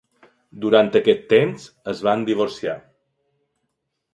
Durant aquest temps, es van divorciar.